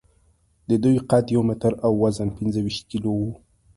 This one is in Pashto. د دوی قد یو متر او وزن پینځهویشت کیلو و.